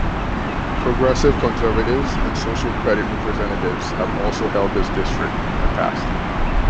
Progressive Conservatives and Social Credit representatives have also held this district in the past.